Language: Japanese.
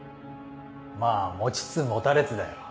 まぁ持ちつ持たれつだよ